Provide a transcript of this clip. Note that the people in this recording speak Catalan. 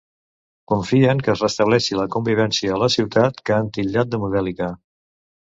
Confien que es restableixi la convivència a la ciutat, que han titllat de modèlica.